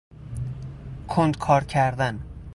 کند کار کردن